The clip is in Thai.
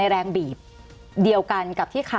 สวัสดีครับทุกคน